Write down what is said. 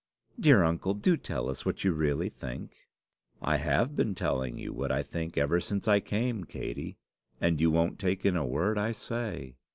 "Dear uncle, do tell us what you really think." "I have been telling you what I think ever since I came, Katey; and you won't take in a word I say."